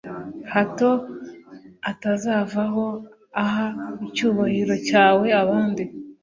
hato atazavaho aha icyubahiro cyawe abandi